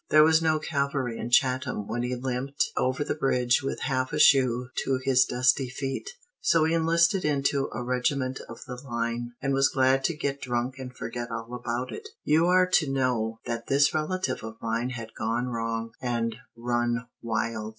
There was no cavalry in Chatham when he limped over the bridge with half a shoe to his dusty feet, so he enlisted into a regiment of the line, and was glad to get drunk and forget all about it. You are to know that this relative of mine had gone wrong, and run wild.